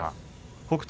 北勝